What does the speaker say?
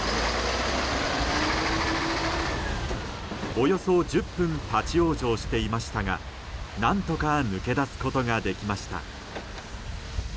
およそ１０分立ち往生していましたが何とか抜け出すことができました。